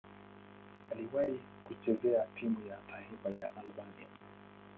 Aliwahi kucheza timu ya taifa ya Albania.